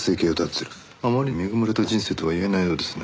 あまり恵まれた人生とは言えないようですね。